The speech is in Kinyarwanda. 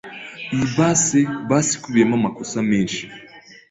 Iyi base base ikubiyemo amakosa menshi.